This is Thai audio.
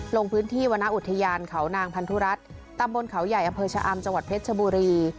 ลงพื้นที่วรรณอุทยานเขานางพันธุรัฐตำบลเขาใหญ่อำเภอชะอำจังหวัดเพชรชบุรี